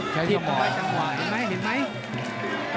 ใช้ช่องมันเพื่อนไปจังหวะเห็นไหมเห็นไหม